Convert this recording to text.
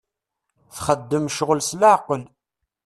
Txeddem ccɣel s leɛqel.